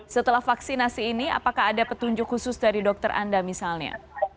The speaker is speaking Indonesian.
setelah vaksinasi ini apakah ada petunjuk khusus dari dokter anda misalnya